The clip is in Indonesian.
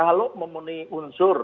kalau memenuhi unsur